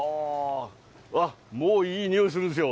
あっ、もういい匂いするんですよ。